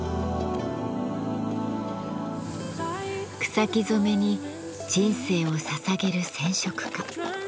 草木染めに人生をささげる染織家。